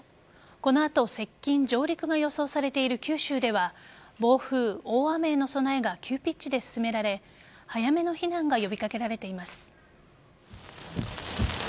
この後接近、上陸が予想されている九州では暴風、大雨への備えが急ピッチで進められ早めの避難が呼び掛けられています。